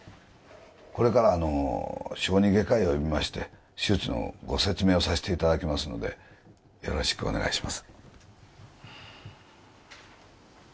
これから小児外科医を呼びまして手術のご説明をさせていただきますのでよろしくお願いします